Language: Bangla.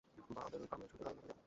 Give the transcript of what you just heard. বাবেল গামের সাথে দারুণ লাগবে খেতে।